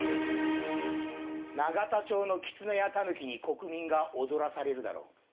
永田町のきつねやたぬきに国民が踊らされるだろう。